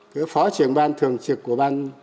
cỡ phó trưởng ban thường trực của ban